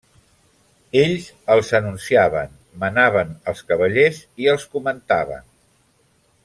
Ells els anunciaven, menaven els cavallers i els comentaven.